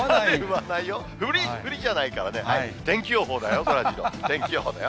振り、振りじゃないからね、天気予報だよ、そらジロー、天気予報だよ。